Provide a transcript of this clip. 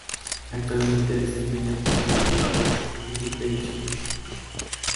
Actualmente desempeña funciones de gerencia en Ripley Chile.